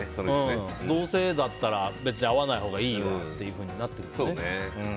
どうせだったら別に会わないほうがいいわってなってくるよね。